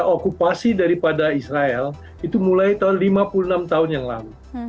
okupasi daripada israel itu mulai tahun lima puluh enam tahun yang lalu